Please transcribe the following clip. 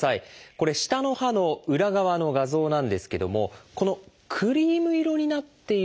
これ下の歯の裏側の画像なんですけどもこのクリーム色になっている部分